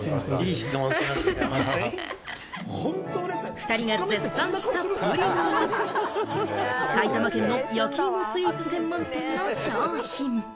２人が絶賛したプリンは、埼玉県の焼き芋スイーツ専門店の商品。